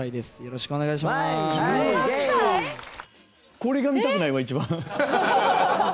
これが見たくないわ一番。